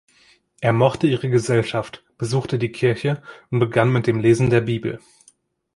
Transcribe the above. Er mochte ihre Gesellschaft, besuchte die Kirche und begann mit dem Lesen der Bibel.